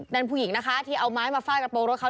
นั่นผู้หญิงนะคะที่เอาไม้มาฟาดกระโปรงรถเขา